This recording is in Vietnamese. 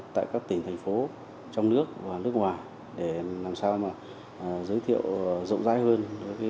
tại các tỉnh thành phố trong nước và nước ngoài để làm sao mà giới thiệu rộng rãi hơn